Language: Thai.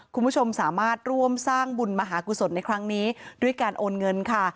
คุณผู้ชมสามารถร่วมสร้างบุญมหากุศลในครั้งนี้ด้วยการโอนเงินค่ะ